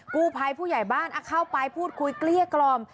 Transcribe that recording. กู้ภัยผู้ใหญ่บ้านเข้าไปพูดคุยเกลี้ยกล่อม